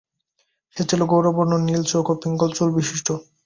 সে ছিল গৌরবর্ণ, নীল চোখ ও পিঙ্গল চুল বিশিষ্ট।